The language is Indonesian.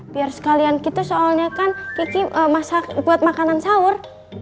biar sekalian gitu soalnya kan kiki buat makanan sahur